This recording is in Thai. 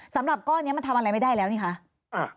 สำหรับก้อนนี้มันทำอะไรไม่ได้แล้วนี่คะ